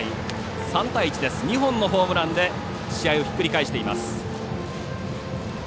３対１、２本のホームランで試合をひっくり返しています。